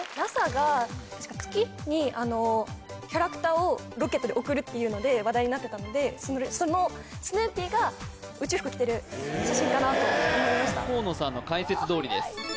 ＮＡＳＡが月にキャラクターをロケットで送るっていうので話題になってたのでそのスヌーピーが宇宙服着てる写真かなと思いました河野さんの解説どおりです